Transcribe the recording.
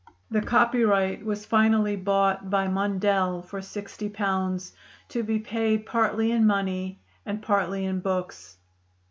The copyright was finally bought by Mundell for sixty pounds, to be paid partly in money and partly in books.